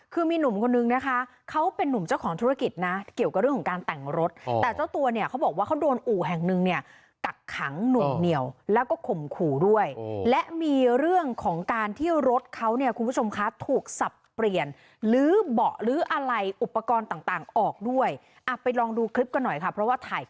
คือมีหนุ่มคนนึงนะคะเขาเป็นนุ่มเจ้าของธุรกิจนะเกี่ยวกับเรื่องของการแต่งรถแต่เจ้าตัวเนี่ยเขาบอกว่าเขาโดนอู่แห่งหนึ่งเนี่ยกักขังหน่วงเหนียวแล้วก็ข่มขู่ด้วยและมีเรื่องของการที่รถเขาเนี่ยคุณผู้ชมคะถูกสับเปลี่ยนลื้อเบาะลื้ออะไรอุปกรณ์ต่างออกด้วยอ่ะไปลองดูคลิปกันหน่อยค่ะเพราะว่าถ่าย